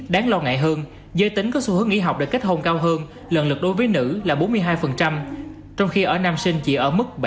đáng lo ngại hơn giới tính có xu hướng nghỉ học để kết hôn cao hơn lần lượt đối với nữ là bốn mươi hai trong khi ở nam sinh chỉ ở mức ba mươi